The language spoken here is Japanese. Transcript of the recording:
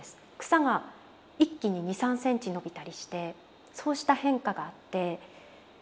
草が一気に２３センチ伸びたりしてそうした変化があって。